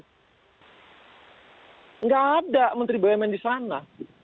tidak ada menteri bumn di sana